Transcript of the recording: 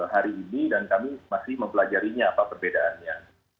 hari ini dan kami masih mempelajarinya apa perbedaannya